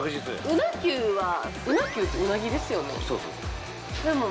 うなきゅうってうなぎですよね